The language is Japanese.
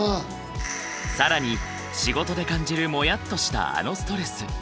更に仕事で感じるモヤッとしたあのストレス。